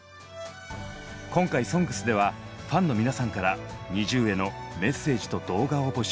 今回「ＳＯＮＧＳ」ではファンの皆さんからＮｉｚｉＵへのメッセージと動画を募集。